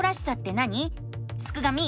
すくがミ！